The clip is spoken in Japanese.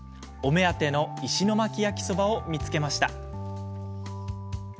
お目当ての石巻焼きそばを見つけました。